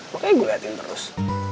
makanya gue liatin terus